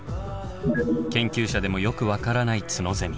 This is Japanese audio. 研究者でもよく分からないツノゼミ。